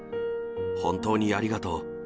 本当にありがとう。